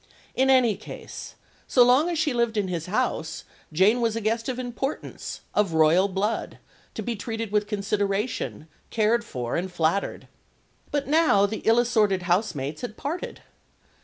In any case, so long as she lived in his house, Jane was a guest of importance, of royal blood, to be treated with consideration, cared for, and flattered. But now the ill assorted house mates had parted.